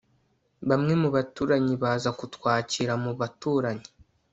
Bamwe mu baturanyi baza kutwakira mu baturanyi